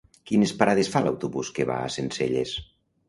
Quines parades fa l'autobús que va a Sencelles?